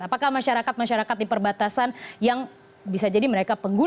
apakah masyarakat masyarakat di perbatasan yang bisa jadi mereka pengguna